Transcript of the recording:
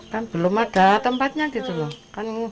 kan belum ada tempatnya